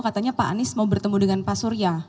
katanya pak anies mau bertemu dengan pak surya